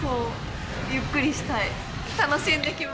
ゆっくりしたい。